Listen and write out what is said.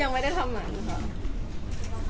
ยังไม่ได้ทำหมั่นค่ะ